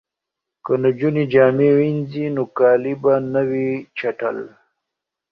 که نجونې جامې وینځي نو کالي به نه وي چټل.